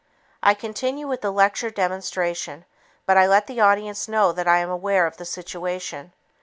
I continue with the lecture demonstration; but I let the audience know that I am aware of the situation.